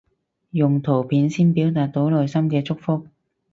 用圖片先表達到內心嘅祝福